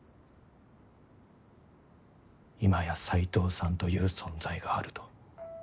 今や斎藤さんという存在があると。